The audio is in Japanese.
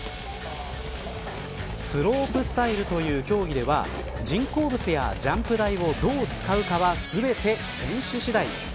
スロープスタイルという競技では人工物やジャンプ台をどう使うかは全て選手次第。